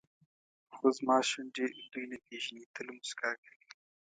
خو زما شونډې دوی نه پېژني تل موسکا کوي.